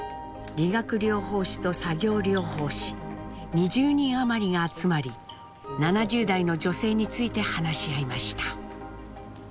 理学療法士と作業療法士２０人余りが集まり７０代の女性について話し合いました。